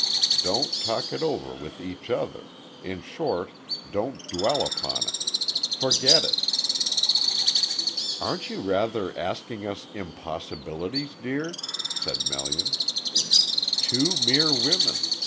Don't talk it over with each other in short, don't dwell upon it. Forget it." "Aren't you rather asking us impossibilities, dear?" said Melian. "Two mere women!